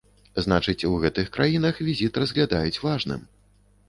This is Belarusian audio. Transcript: Значыць, у гэтых краінах візіт разглядаюць важным.